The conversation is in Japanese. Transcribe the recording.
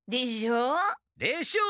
でしょう？